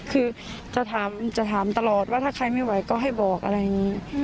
คือจะถามตลอดว่าถ้าใครไม่ไหวก็ให้บอกอะไรอย่างนี้